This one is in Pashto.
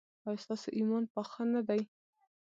ایا ستاسو ایمان پاخه نه دی؟